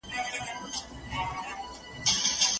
زه هیڅکله له خپل کار څخه نه ستړی کيږم.